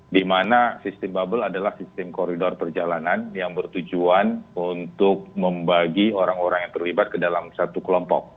di mana sistem bubble adalah sistem koridor perjalanan yang bertujuan untuk membagi orang orang yang terlibat ke dalam satu kelompok